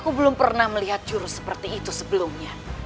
aku belum pernah melihat jurus seperti itu sebelumnya